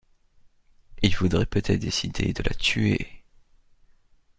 Il faudrait peut-être décider de la tuer.